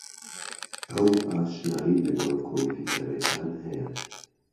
ئەو ئاشنایی لەگەڵ کۆمپیوتەرەکان ھەیە.